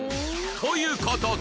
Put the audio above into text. という事で